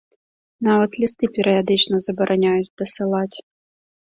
Нават лісты перыядычна забараняюць дасылаць.